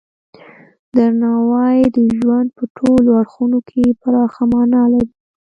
درناوی د ژوند په ټولو اړخونو کې پراخه معنی لري.